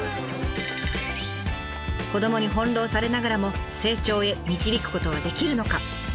子どもに翻弄されながらも成長へ導くことはできるのか？